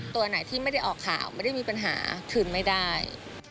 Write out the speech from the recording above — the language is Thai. ตัวไหนที่ไม่ได้ออกข่าวไม่ได้มีปัญหาคืนไม่ได้